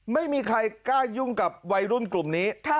ไม่มีใครกล้ายุ่งกับวัยรุ่นกลุ่มนี้